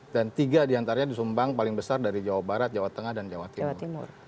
dan tiga diantaranya disumbang paling besar dari jawa barat jawa tengah dan jawa timur